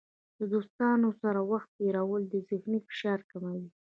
د دوستانو سره وخت تیرول د ذهني فشار کموي.